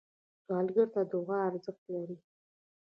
سوالګر ته دعا ارزښت لري